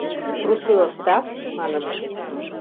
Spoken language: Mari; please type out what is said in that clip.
— Трусы оставь, — маныт.